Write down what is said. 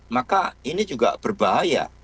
maka ini juga berbahaya